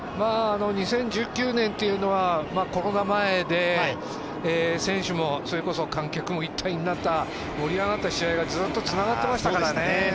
２０１９年というのはコロナ前で、選手もそれこそ観客も一体となった盛り上がった試合がずっとつながっていましたからね。